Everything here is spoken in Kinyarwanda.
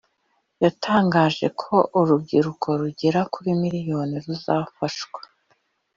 yatangaje ko urubyiruko rugera kuri miriyoni ruzafashwa